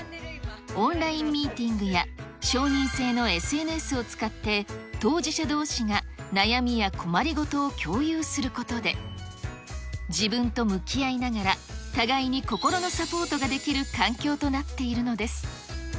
オンラインミーティングや承認制のＳＮＳを使って、当事者どうしが悩みや困りごとを共有することで、自分と向き合いながら、互いに心のサポートができる環境となっているのです。